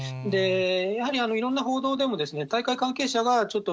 やはりいろんな報道でも、大会関係者がちょっと、